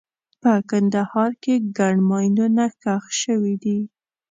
په کندهار کې ګڼ ماینونه ښخ شوي دي.